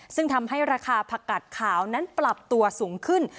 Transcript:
ซึ่งทำให้ราคาผักกัดขาวนั้นปรับตัวสูงขึ้น